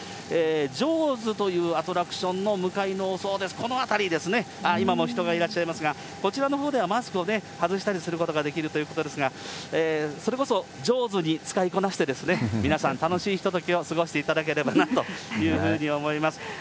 ジョーズというアトラクションの向かいの、そうです、この辺りですね、今も人がいらっしゃいますが、こちらのほうではマスクを外したりすることができるということなんですが、それこそ上手に使いこなして皆さん、楽しいひとときを過ごしていただければというふうに思います。